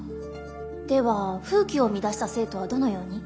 では風紀を乱した生徒はどのように？